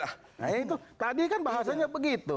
nah itu tadi kan bahasanya begitu